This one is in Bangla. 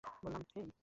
বলরাম, হেই?